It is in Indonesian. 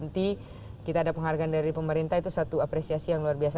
dan berhenti kita ada penghargaan dari pemerintah itu satu apresiasi yang luar biasa